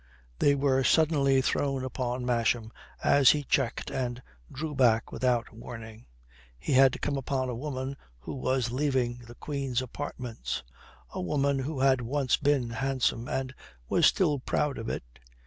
They were suddenly thrown upon Masham as he checked and drew back without warning. He had come upon a woman who was leaving the Queen's apartments, a woman who had once been handsome, and was still proud of it.